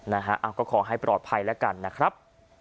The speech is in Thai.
นะฮะก็ขอให้ปลอดภัยแล้วกันนะครับ